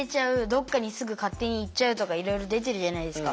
どっかにすぐ勝手に行っちゃうとかいろいろ出てるじゃないですか。